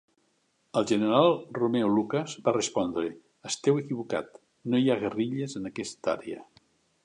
El general Romeo Lucas va respondre, "Esteu equivocat, no hi ha guerrilles en aquesta àrea".